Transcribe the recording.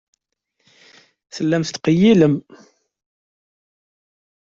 Tellamt tettqeyyilem.